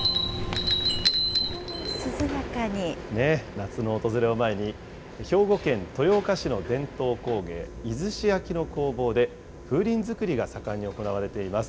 夏の訪れを前に、兵庫県豊岡市の伝統工芸、出石焼の工房で風鈴作りが盛んに行われています。